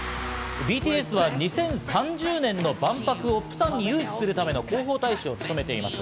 ＢＴＳは２０３０年の万博をプサンに誘致するための広報大使を務めています。